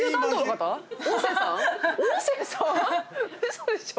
嘘でしょ？